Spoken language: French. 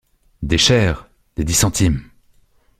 Des chers! des dix centimes !